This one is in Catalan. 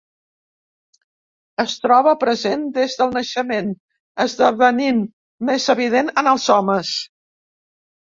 Es troba present des del naixement, esdevenint més evident en els homes.